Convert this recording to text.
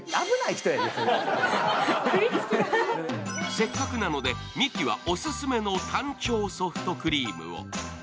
せっかくなので、ミキはオススメのタンチョウソフトクリームを。